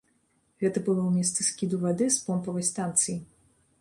Гэта было ў месцы скіду вады з помпавай станцыі.